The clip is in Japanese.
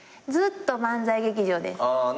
ずっと漫才劇場です。